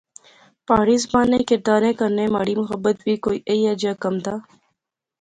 پہاڑی زبان نے کرداریں کنے مہاڑی محبت وی کوئی ایہے جیا کم دا